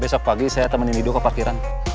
besok pagi saya temenin dio ke parkiran